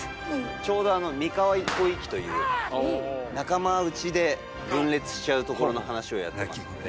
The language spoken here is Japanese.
ちょうど三河一向一揆という仲間内で分裂しちゃうところの話をやってますので。